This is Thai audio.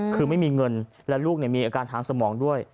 คือไม่มีเงินและลูกมีอาการทางสมองด้วย